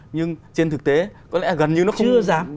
nhưng trên thực tế có lẽ gần như nó không giảm